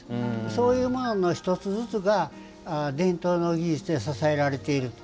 そういうものの一つ一つが伝統の技術で支えられている。